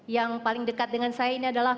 yang paling dekat dengan saya ini adalah